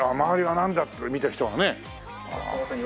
周りはなんだ！？って見てる人はね。